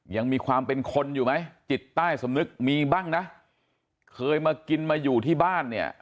ยังมีความเป็นคนอยู่ไหมจิตใต้สำนึกมีบ้างนะเคยมากินมาอยู่ที่บ้านเนี่ย